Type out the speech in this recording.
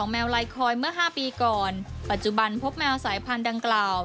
แมวไลคอยเมื่อ๕ปีก่อนปัจจุบันพบแมวสายพันธุ์ดังกล่าว